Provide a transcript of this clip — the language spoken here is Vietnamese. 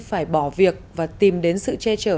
phải bỏ việc và tìm đến sự che trở